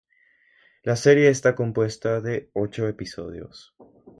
La serie está compuesta de ocho episodios.